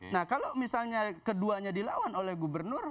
nah kalau misalnya keduanya dilawan oleh gubernur